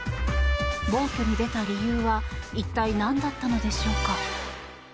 暴挙に出た理由は一体、何だったのでしょうか。